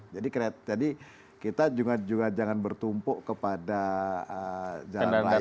jadi kita juga jangan bertumpuk kepada jalan raya saja